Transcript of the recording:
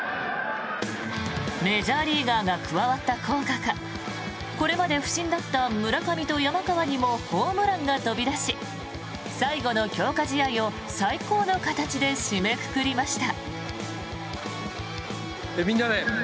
メジャーリーガーが加わった効果かこれまで不振だった村上と山川にもホームランが飛び出し最後の強化試合を最高の形で締めくくりました。